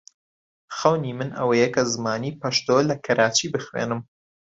خەونی من ئەوەیە کە زمانی پەشتۆ لە کەراچی بخوێنم.